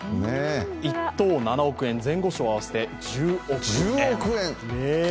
１等７億円前後賞合わせて１０億円。